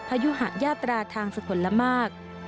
พระยุหะญาตราทางสะทนละมาก